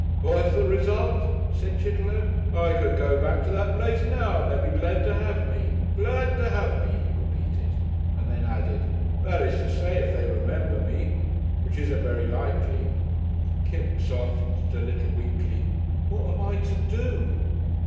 "What's the result?" said Chitterlow. "I could go back to that place now, and they'd be glad to have me.... Glad to have me," he repeated, and then added, "that is to say, if they remember me which isn't very likely." Kipps asked a little weakly, "What am I to do?"